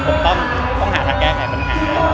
ผมต้องหาทางแก้ไขปัญหา